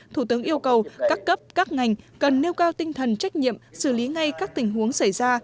thủ tướng yêu cầu các cấp các ngành cần nêu cao tinh thần trách nhiệm xử lý ngay các tình huống xảy ra